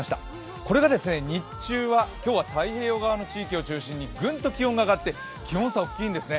これが日中は、今日は太平洋側の地域を中心にグンと気温が上がって、気温差大きいんですね。